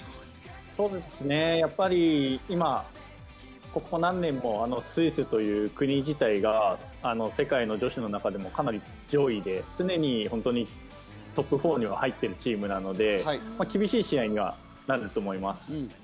やっぱり今、ここ何年もスイスという国自体が世界の女子の中でもかなり上位で、常にトップ４には入っているチームなので、厳しい試合にはなると思います。